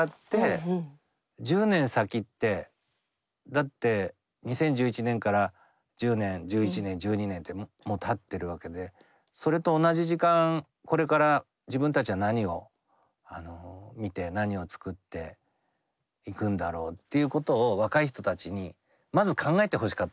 １０年先ってだって２０１１年から１０年１１年１２年ってもうたってるわけでそれと同じ時間これから自分たちは何を見て何をつくっていくんだろうっていうことを若い人たちにまず考えてほしかったんですよね。